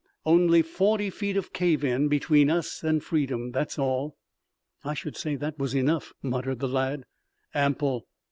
"Only forty feet of cave in between us and freedom. That's all." "I should say that was enough," muttered the lad. "Ample."